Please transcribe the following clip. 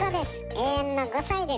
永遠の５さいです。